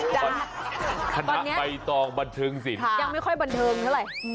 จ้ะตอนนี้คณะใบตองบันเทิงสินค่ะยังไม่ค่อยบันเทิงเท่าไร